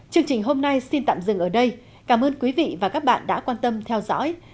chương trình hôm nay xin tạm dừng ở đây cảm ơn quý vị và các bạn đã quan tâm theo dõi